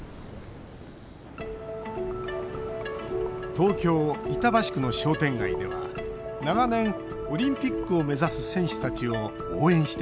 東京・板橋区の商店街では長年オリンピックを目指す選手たちを応援してきました。